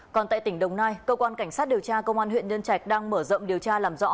còn tại tỉnh đồng nai cơ quan cảnh sát điều tra công an huyện nhân trạch đang mở rộng điều tra làm rõ